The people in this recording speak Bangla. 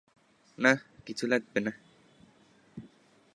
না, কিছু লাগবে না।